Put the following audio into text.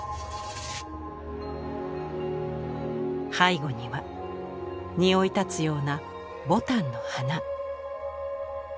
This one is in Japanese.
背景には匂いたつような牡丹の花。